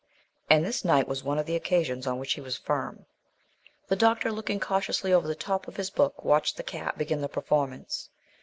And this night was one of the occasions on which he was firm. The doctor, looking cautiously over the top of his book, watched the cat begin the performance.